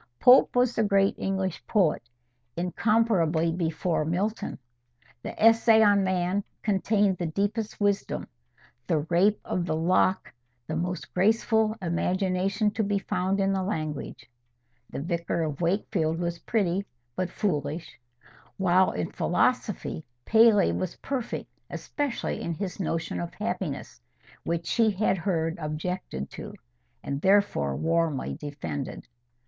Pope was the great English poet, incomparably before Milton. The "Essay on Man" contained the deepest wisdom; the "Rape of the Lock" the most graceful imagination to be found in the language. The "Vicar of Wakefield" was pretty, but foolish; while in philosophy, Paley was perfect, especially in his notion of happiness, which she had heard objected to, and therefore warmly defended.